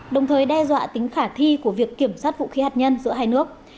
đồng thời đe dọa tính khả thi của việc kiểm soát vũ khí hạt nhân giữa hai nước